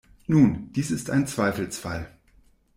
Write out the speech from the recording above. Nun, dies ist ein Zweifelsfall.